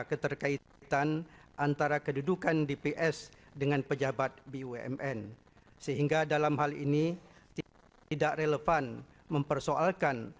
keterkaitan antara kedudukan dps dengan pejabat bumn sehingga dalam hal ini tidak relevan mempersoalkan